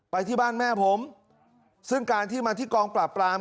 ไปที่บ้านแม่ผมซึ่งการที่มาที่กองปราบปราม